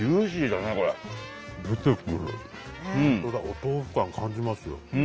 お豆腐感感じますよ。